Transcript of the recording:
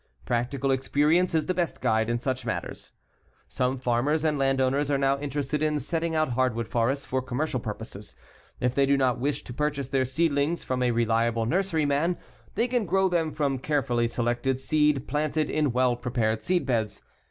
Practical experience is the best guide in such matters. Some farmers and land owners are now interested in setting out hardwood forests for commercial purposes. If they do not wish to purchase their seedlings from a reliable nursery man, they can grow them from carefully selected seed planted in well prepared seedbeds.